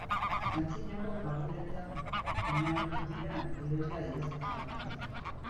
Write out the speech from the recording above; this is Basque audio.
Antzinako fabuletan oinarritu dira gidoia idazterakoan.